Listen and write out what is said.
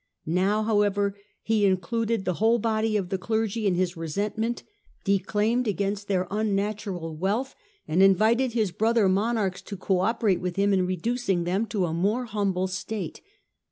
Now, however, he included the whole body of the clergy in his resentment, declaimed against their unnatural wealth, and invited his brother monarchs to co operate with him in reducing them to a more humble state.